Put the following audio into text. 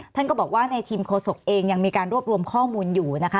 ท่านก็บอกว่าในทีมโฆษกเองยังมีการรวบรวมข้อมูลอยู่นะคะ